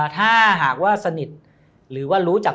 ถ้าหากว่าสนิทหรือว่ารู้จัก